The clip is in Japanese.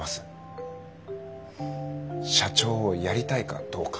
社長をやりたいかどうか。